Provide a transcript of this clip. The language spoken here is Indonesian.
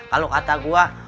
kalau kata gua